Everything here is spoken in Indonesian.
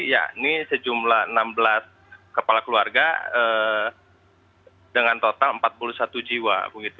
yakni sejumlah enam belas kepala keluarga dengan total empat puluh satu jiwa